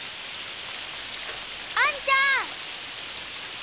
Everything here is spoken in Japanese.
あんちゃん！